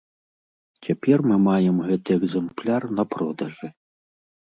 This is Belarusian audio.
Цяпер мы маем гэты экзэмпляр на продажы.